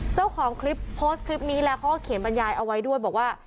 เจ้าของคลิปโพสต์คลิปนี้แล้วเขาก็เขียนบรรยายเอาไว้ด้วยบอกว่า